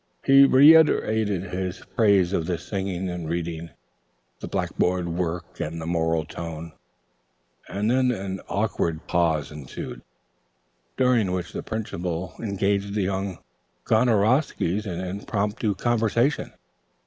He reiterated his praise of the singing and reading, the blackboard work and the moral tone. An awkward pause ensued, during which the Principal engaged the young Gonorowskys in impromptu conversation.